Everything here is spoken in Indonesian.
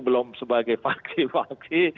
belum sebagai vaksi vaksi